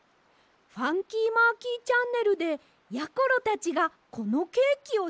「ファンキーマーキーチャンネル」でやころたちがこのケーキをしょうかいするんです！